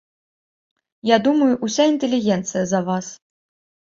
Я думаю ўся інтэлігенцыя за вас!